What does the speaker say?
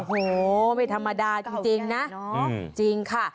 โอ้โหไม่ธรรมดาจริงนะจริงค่ะ